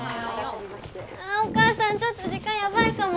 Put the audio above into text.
あお母さんちょっと時間ヤバいかも。